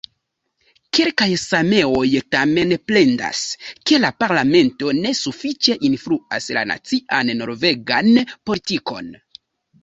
Kelkaj sameoj tamen plendas, ke la parlamento ne sufiĉe influas la nacian norvegan politikon.